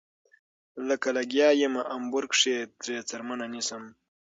لکه لګيا يمه امبور کښې ترې څرمنه نيسم